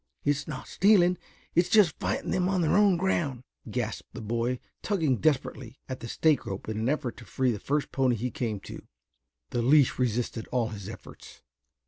"It's not stealing. It's just fighting them on their own ground," gasped the boy, tugging desperately at the stake rope in an effort to free the first pony he came to. The leash resisted all his efforts.